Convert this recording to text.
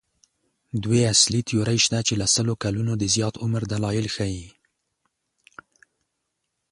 دوې اصلي تیورۍ شته چې له سلو کلونو د زیات عمر دلایل ښيي.